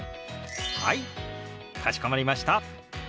はいかしこまりました。